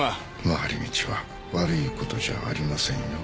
回り道は悪いことじゃありませんよ。